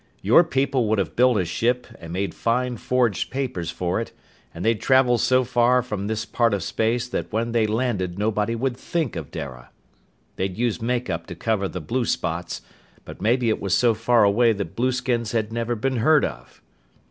"Your people would have built a ship, and made fine forged papers for it, and they'd travel so far from this part of space that when they landed nobody would think of Dara. They'd use make up to cover the blue spots, but maybe it was so far away that blueskins had never been heard of!"